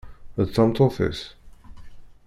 D tameṭṭut-is?